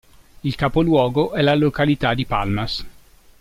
Il capoluogo è la località di Palmas.